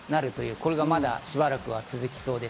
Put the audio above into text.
これが、まだしばらくは続きそうです。